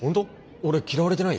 俺嫌われてない？